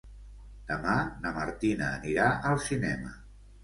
Demà na Martina anirà al cinema.